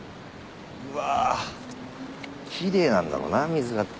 うわぁキレイなんだろうな水が。